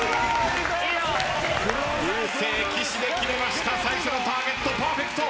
流星岸で決めました最初のターゲットパーフェクト。